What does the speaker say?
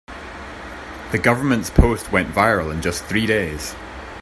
The government's post went viral in just three days.